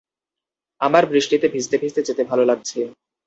আমার বৃষ্টিতে ভিজতে-ভিজতে যেতে ভালো লাগছে।